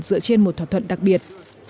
dựa trên một thỏa thuận đặc biệt